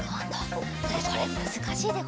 それむずかしいでござるな。